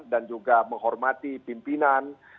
dan juga menghormati pimpinan